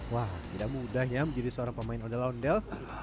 wah tidak mudah ya menjadi seorang pemain ondel ondel